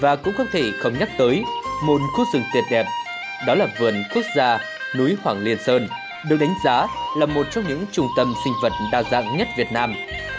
và cũng có thể không nhắc tới một khu rừng tuyệt đẹp đó là vườn quốc gia núi hoàng liên sơn được đánh giá là một trong những trung tâm sinh vật đa dạng nhất việt nam